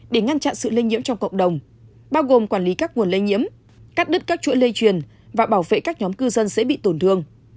để ngăn chặn sự lây nhiễm trong cộng đồng bao gồm quản lý các nguồn lây nhiễm cắt đứt các chuỗi lây truyền và bảo vệ các nhóm cư dân dễ bị tổn thương